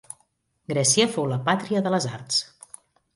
Grècia fou la pàtria de les arts.